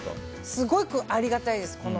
すごくありがたいです。